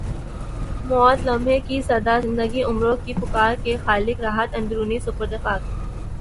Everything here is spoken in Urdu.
موت لمحے کی صدا زندگی عمروں کی پکار کے خالق راحت اندوری سپرد خاک